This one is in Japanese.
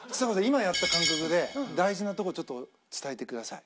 今やった感覚で大事なとこちょっと伝えてください